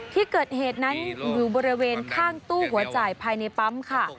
ที่เกิดเหตุนั้นอยู่บริเวณข้างตู้หัวจ่ายภายในปั๊มค่ะ